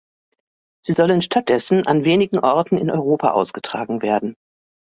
Sie sollen stattdessen an wenigen Orten in Europa ausgetragen werden.